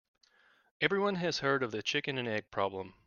Everyone has heard of the chicken and egg problem.